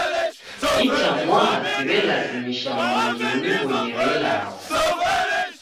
Itamwaa siwe'lazimisha mndungi unibonyere ilagho